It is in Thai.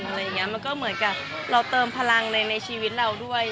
มันก็เหมือนกับเราเติมพลังในชีวิตเราด้วย